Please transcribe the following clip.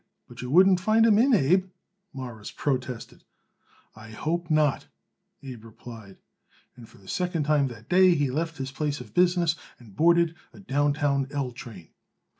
"But you wouldn't find him in, Abe," Morris protested. "I hope not," Abe replied; and for the second time that day he left his place of business and boarded a downtown L train.